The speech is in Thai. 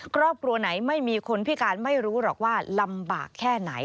ครอบครัวไหนไม่มีคนพิการไม่รู้หรอกว่าลำบากแค่ไหน